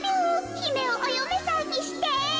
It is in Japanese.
ひめをおよめさんにして。